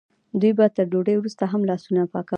دوی به تر ډوډۍ وروسته هم لاسونه پاکول.